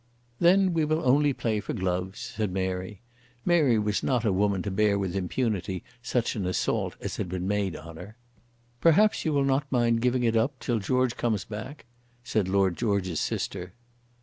"Then we will only play for gloves," said Mary. Mary was not a woman to bear with impunity such an assault as had been made on her. "Perhaps you will not mind giving it up till George comes back," said Lord George's sister.